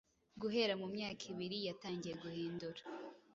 Guhera mu myaka ibiri yatangiye guhindura